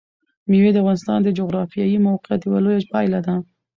مېوې د افغانستان د جغرافیایي موقیعت یوه لویه پایله ده.